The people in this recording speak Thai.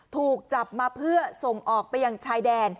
ถูกจับมาเพื่อส่งออกไปยังชายแดน